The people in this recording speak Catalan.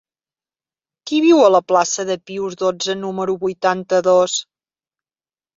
Qui viu a la plaça de Pius dotze número vuitanta-dos?